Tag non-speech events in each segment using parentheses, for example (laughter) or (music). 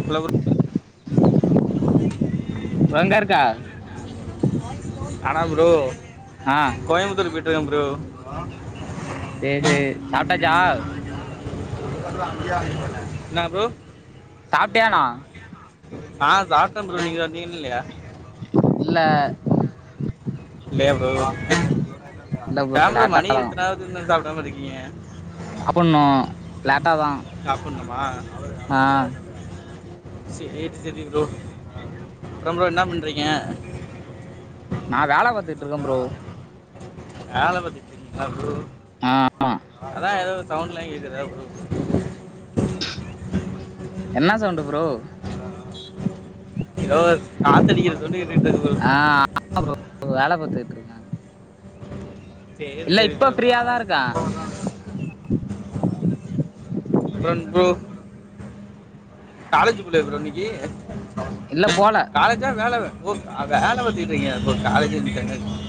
என்ன‌ ப்ரோ இப் எங்க இருக்க ஆனா ப்ரோ ஆ கோயம்புத்தூர் போய்ட்டுக்க ப்ரோ சேரி சேரி சாப்ட்டாச்சா என்னா ப்ரோ சாப்டியானா ஆ சாப்ட்ட ப்ரோ நீங்க சாப்டீங்களா இல்லையா இல்ல இல்லயா ப்ரோ இல்ல ஏன் ப்ரோ லேட்டா மணி தா எத்தன ஆவுது இன்னோ சாப்டாம இருக்கீங்க சாப்பன்னூ லேட்டாதா சாப்புட்னுமா சேரி சேரி ப்ரோ அப்றம் ப்ரோ என்னா பண்றீங்க நா வேல பாத்துட்ருக்க ப்ரோ வேல பாத்துட்டுருக்கீங்களா ப்ரோ ஆமா அதா எதோ சவுண்ட்லாங்கேக்குதா ப்ரோ என்னா சவுண்டு ப்ரோ எதோ காத்தடிக்கிற சவுண்டு கேட்டுட்டுருக்கு ப்ரோ ஆ ஆமா ப்ரோ வேல பாத்துட்டுருக்க சேரி இல்ல சேரி இப்ப ப்ரோ ஃப்ரீயா தா இருக்கே அப்றன் ப்ரோ காலேஜுக்குள்ளயா ப்ரோ இன்னிக்கு இல்ல போல ஞ்சா வேல ஓ வேல பாத்திட்டிருக்கீங்ளா ப்ரோ காலேஜ்ன்ட்ட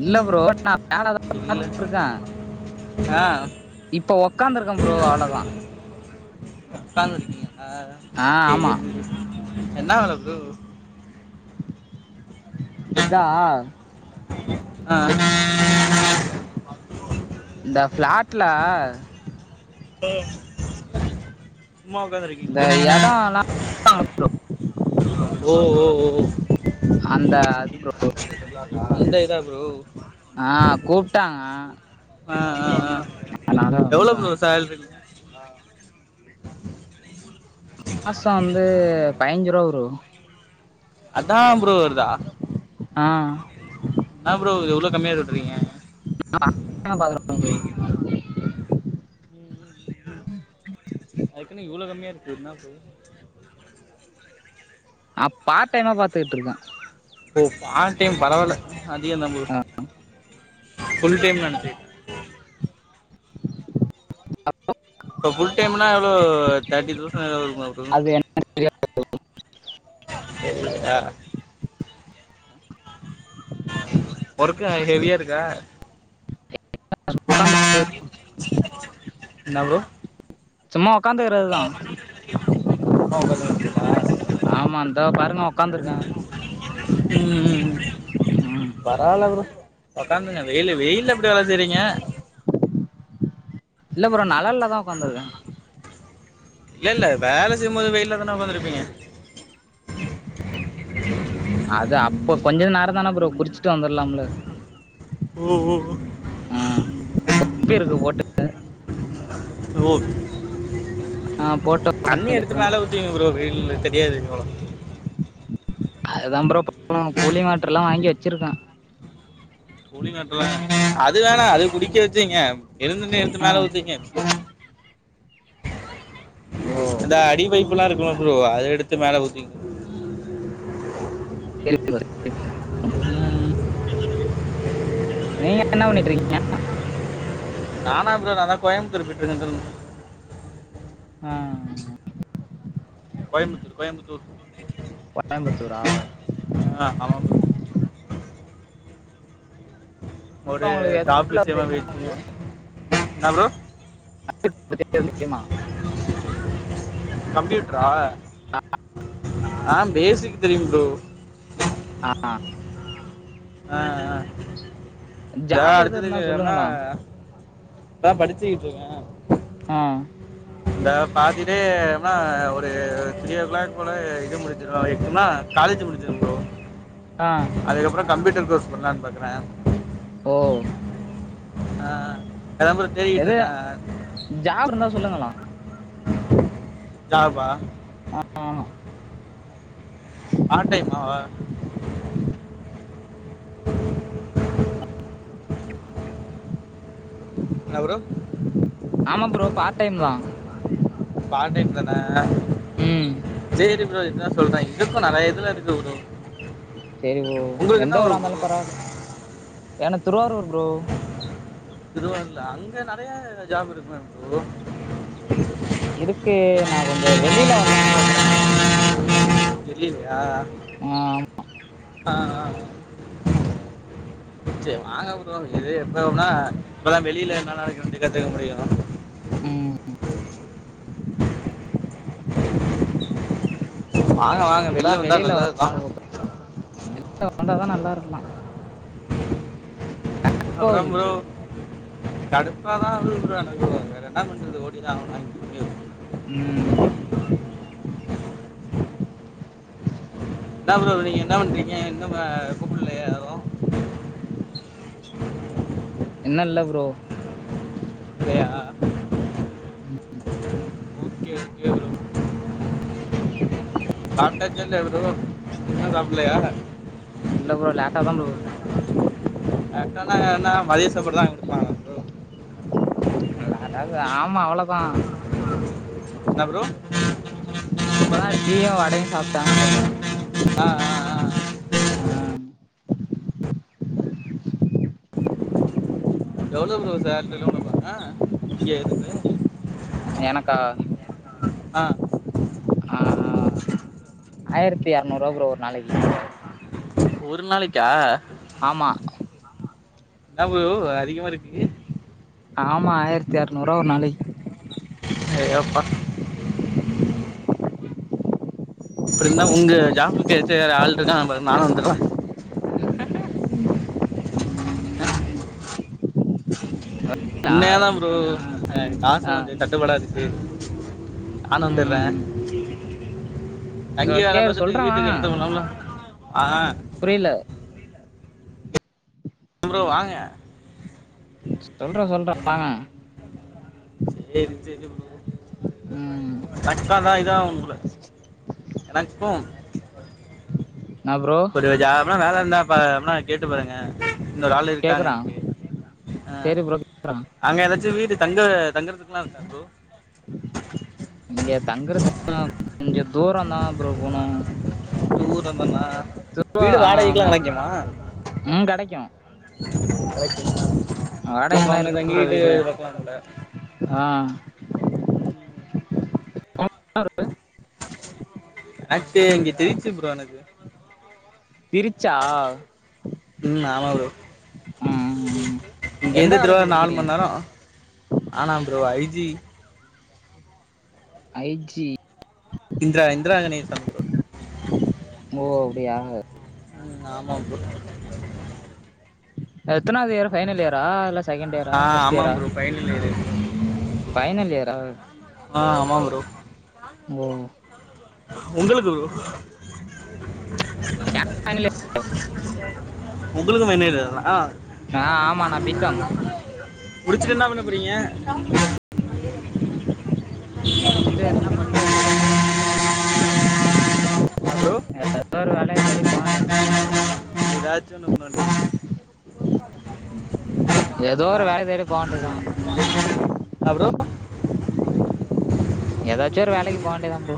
இல்ல ப்ரோ நா வேலதான் பாத்துட்டுருக்க ஆ இப்ப உக்காந்திருக்கன் ப்ரோ அவ்ளதா உக்காந்திருக்கீங்ளா ஆ ஆமா சேரி ப்ரோ என்னா வேல ப்ரோ இதா ஆ இந்த ஃபிளாட்ல ஓ சும்மா இந்த ஒக்காந்துருக்கீங்களா எடோலா ஓ ஓ ஓ அந்த அது ப்ரோ அந்த இதா ப்ரோ ஆ கூப்ட்டாங்க ஆ ஆ ஆ அதனால எவ்ளோ வந்தோ ப்ரோ சால்ரி மாசோ வந்து பய்ஞ்சி ரூவா ப்ரோ அதான் ப்ரோ வருதா ஆ என்னா ப்ரோ இது இவ்ளோ கம்மியா சொல்றீங்க பாக்குறே (inaudible) ப்ரோ இன்னு இல்லை அதுக்குணு இவ்ளோ கம்மியா இருக்குன்னா அ பார்ட் டைமா பாத்துட்ருக்க ஓ பார்ட் டைம் பரவாயில்ல அதிகோ தா ப்ரோ ஆ ஃபுல் டைம்னு நெனச்சே இப்போ ஃபுல் டைம்னா எவ்ளோ தேட்டி தௌசண் எதாவதுஇருக்குமா ப்ரோ அது என்னன்னு தெரியாது சரியா ஒர்க்லா ஹெவியா இருக்கா என்ன ப்ரோ (inaudible) சும்மா உக்காந்துக்கறதுதா ஓ ஃபெண்டு இருக்குலா ஆமா இந்தா பாருங்க உக்காந்துருக்கே ம் ம் ம் ம் பரவாயில்ல ப்ரோ உக்காந்துங்க வெயில் வெயில்ல எப்டி வேல செய்றீங்க இல்ல ப்ரோ நலல்ல தா உக்காந்துருக்கே இல்ல இல்ல வேல செய்யும்போது வெயில்லதான உக்காந்திருப்பீங்க அது அப்ப கொஞ்ச நேரந் தான ப்ரோ குறுச்சுட்டு வந்துரலாம்ல ஒ ஒ ஒ ம் இருக்கு போட்டு ப்ரோ ஆ போட்டு தண்ணி உக்காந்துக்க எடுத்து வேண்டியதுதா மேல ஊத்துவைங்க ப்ரோ வெய்லு தெரியாது ப்ரோ அதுதா ப்ரோ (inaudible) கூழிங் வாட்டர்ல்லா வாங்கி வச்சுருக்கே கூலிங்வாட்டறா அது வேணா அது புடிக்க வச்சீங்க எளுந்த உடனே எடுத்து ஆ மேல ஊத்திங்க ஓ இந்த அடிபைப்புல்லா இருக்குல்ல ப்ரோ அத எடுத்து மேல ஊத்தி சரி ப்ரோ சரி ப்ரோ நீங்க என்ன பண்ணிட்டு இருக்கீங் நானா ப்ரோ நாலா கோயம்புத்தூர்பேயிட்டு இருக்கன் த்ரு ஆ கோயம்புத்தூர் கோயம்புத்தூர் ஒட்டஞ்சத்தூரா ஆ ஆமாம்ப்ரு ஒரு உங்களுக்கு ஜாப் எதாவது விஷயமா தெரியுமா போயிட்ருகே உங்களுக்கு இன்னா ப்ரோ (inaudible) கம்ப்யூட்ரா ஆ பேசிக்குத்தெரியும் ப்ரோ அஆ ஆ ஆ யா ஜாப் எது இருந்தா அடுத்ததுக்கு என்னா சொல்லுங்களா இப்பதா படுச்சுக்கிட் இருக்கே அ இந்த பாத்திலே ன்னா ஒரு த்ரீ ஓ கிளாக் போல இது முடிச்சிருவே எதுக்னா காலேஜ் முடுஞ்சுரு ப்ரோ ஆ அதுக்கப்றொ கம்ப்யூட்டர் கோர்ஸ் பண்ணலான்னு பாக்குறே ஓ ஆ அந்த நம்பர் தேடிட்டு எது இருக்க ஜாப் இருந்தா சொல்லுங்கலா ஜாப் ஆ ஆமா பார்ட் டைமாவா என்ன ப்ரோ ஆமா ப்ரோ பார்ட் டைமு தா பா டைம் தானே ம் தெரியுது புரோ இதுதா சொல்றே இதுக்கு நிறைய இதுல இருக்கு ப்ரோ செரி ப்ரோ உங்களுக்கு எந்த என்ன ஒரு ஊரா ப்ரோ இருந்தாலு பரவாயில்ல ஏன்னா திருவாரூர் ப்ரோ திருவாரூர்ல அங்க நெறையா ஜாப் இருக்குமே ப்ரோ இருக்கு நா கொஞ்சோ வெளியில வல்லான்னு பாக்குறே தெரியலையா ஆ ஆ ஆ செரி வாங்கப் ப்ரோ இது எப்பவும்னா இப்பதா வெளியில என்ன நடக்குதுன்டு கத்துக்க முடியு ம் வாங்க வாங் அதா வெளில வரலானு கூப்பற வெளில வந்தாதா நல்லா இருக்கலா அப்புறம் ப்ரோ கடுப்பா தா இருக்கு ப்ரோ எனக்கு வேற என்ன பண்றது ஓடி தா ஆகணு நம் (unintelligible) ம் என்னா ப்ரோ நீங்க என்ன பண்ணிட்ருக்கீங்க ஏ இன்னும கூப்பில்லயா யாரு இன்னு இல்ல ப்ரோ இல்லையா ஓக்கே ஓக்கே ப்ரோ சாப்டாச்சா இல்லயா ப்ரோ இன்னு சாப்பலையா இல்ல ப்ரோ லேட்டா தா ப்ரோ லேட்டானா என்ன மதிய சாப்பாடு தா வாங்கி குடுப்பாங்களா ப்ரோ இல்ல அதாவ்து ஆமா அவ்ளோதா என்னா ப்ரோ இப்பதா டீயு வடயு சாப்ட்ட ஆ ஆ ஆ ஆ எவ்ளோ ப்ரோ சேலரிலா குடுப்பாங்க இங்க இதுக்கு எனக்கா அ ஆயரத்தி எரநூ ரூவா ப்ரோ ஒரு நாளைக்கு ஒரு நாளைக்கா ஆமா என்ன ப்ரோ அதிகமா இருக்குக்கு ஆமா ஆயர்த்தி எரநூ ரூவா ஒரு நாளைக்கு ஐயோ அப்பா அப்டினா உங்க ஜாப்புக்கு ஏத்த வேற ஆள் இருக்கா அம்பர நானு வந்துரவா ஆ உண்மயா தா ப்ரோ அ காசு ஆ கொஞ்சோ தட்டுப்படா இருக்கு நானு ம் வந்துர்றே ம் ம் சரி அங்கே வேல ஓகே பாத்துட்டு சொல்றே வீட்டுக்கு வாங்க எடுத்து போனோம்ன ஆ புரியல ப்ரோ வாங்க சொல்ற சொல்ற வாங்க சேரி சேரி ப்ரோ ம் தக்காதா இதா உங்கள எனக்கும் என்னா ப்ரோ அப்டி ஜாப்னா வேல இருந்த பாரு அப்னா கேட் டு பாருங்க இன்னொரு ஆள் கேக்குறே இருக்காங்கன்ட்டு ஆ சரி ப்ரோ கேக்குறே அங்க ஏதாச்சு வீடு தங்க தங்கறதுக்கெல்லா இருக்கா ப்ரோ இங்க தங்கறது எல்லா கொஞ்ச தூரந்தா ப்ரோ போணு தூரந்தான்னா வீடு ஆ வாடகைக்கெல்லா ஆமா கெடைக்குமா ம் கெடைக்கூ அப்ப வாடகைக்குல்லா அங்க இருக்கு ப்ரோ தங்கிட்டு வீடு பாக்கலாம்ல ஆ ம் (inaudible) அதுசே இங்க தெரிஞ்ச்சு ப்ரோ எனக்கு பிருச்சா ம் எந்த இங்கெருந்து திருவா காலேஜ் நாலு படிக்கிறீங்க மண்நேரோ ஆனா bro IG I G Indra Indraganesan bro ஓ அப்டியா ம் ஆமா ப்ரோ எத்தனாவது இயர் ஃபைனல் இயரா இல்ல செகெண்ட் இயரா ஆ ஃபர்ஸ்ட் ஆமா இயரா ப்ரோ ஃபைனல் இயரு ஃபைனல் இயரா ஆ ஆமா ப்ரோ ஓ உங்களுக்கு ஃபைனல் உங்களுக்கும் ஃபைனல் இயர் தான ஆ ஆமா நா பி கம் முடிச்சுட்டு என்ன பண்ண போறீங்க முடிச்சுட்டு என்ன பண்றது ஆ ப்ரோ எதோ ஒரு வேலயத் தேடி போவேண்டிதா எதாச்சு ஒன்னு பண்ண வேண்டி ஏதோ ஒரு வேலைய தேடி போ வேண்டியதா ஆ ப்ரோ எதாச்சு ஒரு வேலைக்கு போ வேண்டியதா ப்ரோ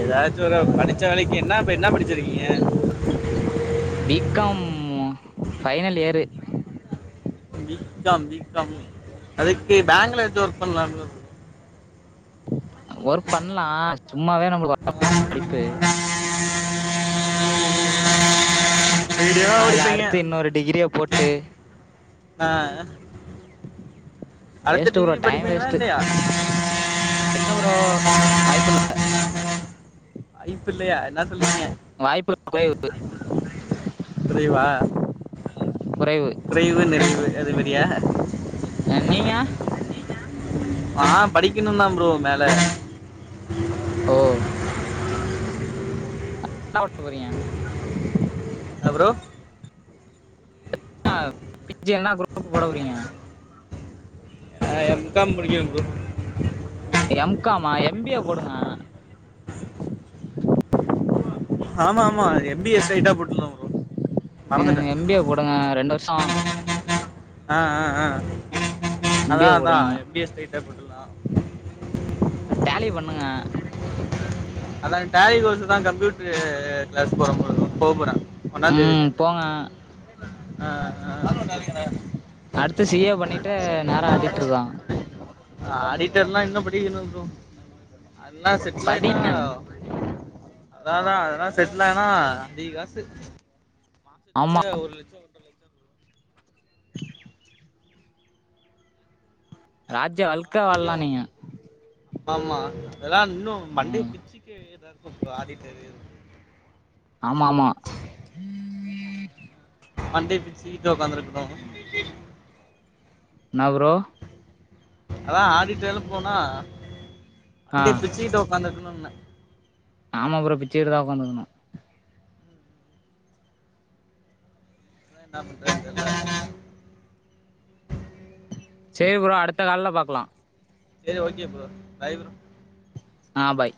எதாச்சு ஒரு படிச்ச வேலைக்கி என்னா இப்ப என்னா படிச்சிருக்கீங்க B com final year B com B com அதுக்கு பேங்ல எது ஒர்க் பண்லா ப்ரோ ஒர்க் பண்லா சும்மாவே நம்ளுக்கு வரா படிப்பு வீடியோவா அதுல படிப்பீங்க அடுத்து இன்னொரு டிகிரிய போட்டு அ அ அடுத்த வேஸ்ட் ப்ரோ டிகிரி டைம் படிப்பீங்ளா வேஸ்ட் இல்லையா இல்ல ப்ரோ வாய்ப்புல்ல வாய்ப்பு இல்லையா என்னா சொல்றீங்க வாய்ப்புகள் குறைவு குறைவா குறைவு குறைவு நிறைவு அது மேரியா அ நீங்க ஆ படிக்கினுந்தா ப்ரோ மேல ஓ என்னா (inaudible) போறீங்க ஆ ப்ரோ (inaudible) பி ஜி என்னா குரூப் போட போறீங்க ஆ எம் காம் முடிக்கினு ப்ரோ எம் காமா எம் பி ஏ போடுங்க ஆமா ஆமா எம் பி ஏ ஸ்ரைட்டா போட்டல்லாம் ப்ரோ அ மறந்துட்டேன் எம் பி ஏ போடுங்க ரெண்டு வருஷோ அ அ அ எம் பி ஏ போடுங்க ஸ்ட்ரைட்டா போட்டுடலாம் டேலிய பண்ணுங்க அதாங்க டேலி கோர்ஸுதா கம்ப்யூட் இப்பவே கிளாஸ் போறோ போபோறே ஒன்னா ம் தேதிலேந்து போங்க அடுத்து சி ஏ பண்ணிட்டு நேரா ஆடிட்ருதா ஆடிட்டர்லா இன்னும் படிக்கினும் ப்ரோ அதெல்லா செட்லாயிட்டா படிங்க அதாதா அதெல்லா செட்ல் ஆனா அதிக காசு ஆமா வருஷத்துக்கே ஒரு லட்சோ வரு ராஜ்ஜ வாழ்க் (unintelligible) அம்மாமா அதெல்லா இன்னும் மண்டைய ம் பிச்சுக்கு இதா இருக்கு பாதி தெரியுது ஆமாமா வந்துருச்சி சீட்ல ஒக்காந்துருக்குறோ என்ன ப்ரோ அதா ஆடிட்டேல் போனா ஆ மண்டைய பிச்சுகிட்டு உட்காந்துருக்கனுன்னெ ஆமா ப்ரோ பிச்சிடுதா உக்காந்துயிருக்கணும் என்னா பண்றதுனு தெர்ல சேரி ப்ரோ அடுத்த கால்ல பாக்லா சேரி ஓகே ப்ரோ பாய் ப்ரோ ஆ பாய்